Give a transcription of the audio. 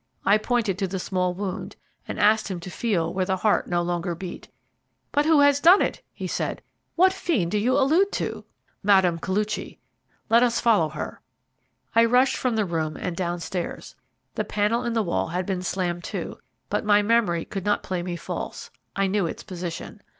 I pointed to the small wound, and asked him to feel where the heart no longer beat. "But who has done it?" he said. "What fiend do you allude to?" "Mme. Koluchy; let us follow her." I rushed from the room and downstairs. The panel in the hall had been slammed to, but my memory could not play me false, I knew its position.